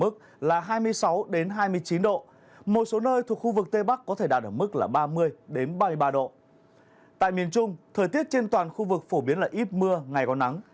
tại miền trung thời tiết trên toàn khu vực phổ biến là ít mưa ngày có nắng